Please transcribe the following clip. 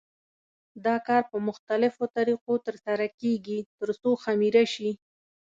دا کار په مختلفو طریقو تر سره کېږي ترڅو خمېره شي.